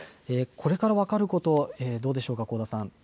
これから分かること、どうでしょうか、香田さん。